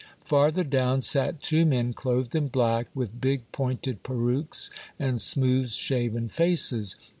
Farther down sat two men clothed in black, with big pointed perruques and smooth shaven faces.